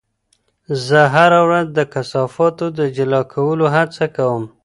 زه هره ورځ د کثافاتو د جلا کولو هڅه کوم.